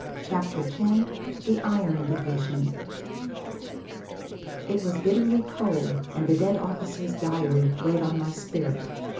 CHAPTER X THE IRON DIVISION It was bitterly cold, and the dead officer's diary weighed on my spirit.